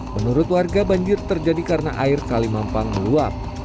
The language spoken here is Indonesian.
menurut warga banjir terjadi karena air kali mampang meluap